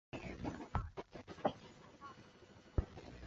揭示了每个国家拥有相对优势的原因。